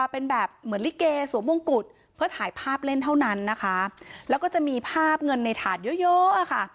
เพื่อถ่ายภาพเล่นเท่านั้นนะคะแล้วก็จะมีภาพเงินในถาดเยอะอะค่ะ